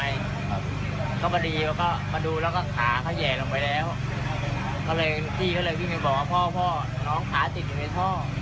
อยากให้เขาเอามือเอาขาไปแห่งตามท่อ